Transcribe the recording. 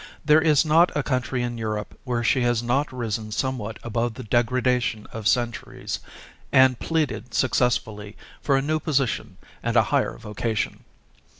There is not a country in Europe where she has not risen somewhat above the degradation of centuries, and pleaded successfully for a new position and a higher vocation.